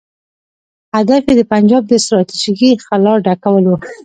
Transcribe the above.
هدف یې د پنجاب د ستراتیژیکې خلا ډکول وو.